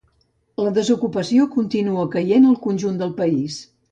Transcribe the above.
La desocupació continua caient al conjunt del país.